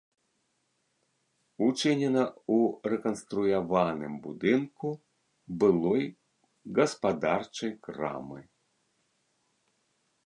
Учынена ў рэканструяваным будынку былой гаспадарчай крамы.